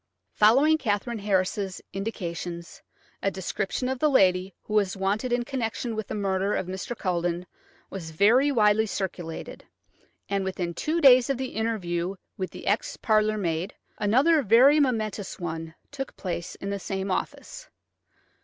Following Katherine Harris's indications, a description of the lady who was wanted in connection with the murder of Mr. Culledon was very widely circulated, and within two days of the interview with the ex parlour maid another very momentous one took place in the same office.